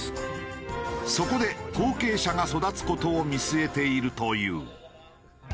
そこで後継者が育つ事を見据えているという。